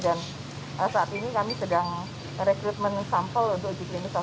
dan saatnya kita akan mencari uji klinis